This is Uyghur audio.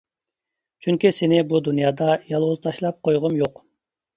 چۈنكى سېنى بۇ دۇنيادا يالغۇز تاشلاپ قويغۇم يوق.